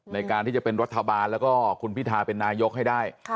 ในการที่จะเป็นรัฐบาลแล้วก็คุณพิทาเป็นนายกให้ได้